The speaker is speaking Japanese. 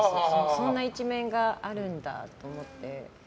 そんな一面があるんだと思って。